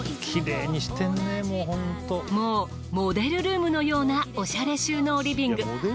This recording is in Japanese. もうモデルルームのようなおしゃれ収納リビング。